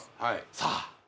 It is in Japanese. さあ